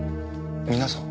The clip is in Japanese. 皆さん？